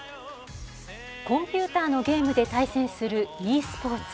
コンピューターのゲームで対戦するｅスポーツ。